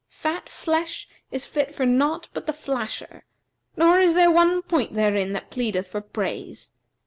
Fat flesh is fit for naught but the flasher, nor is there one point therein that pleadeth for praise.